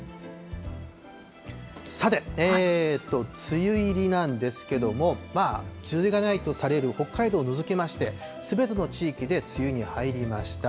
さて、梅雨入りなんですけども、梅雨がないとされる北海道を除きまして、すべての地域で梅雨に入りました。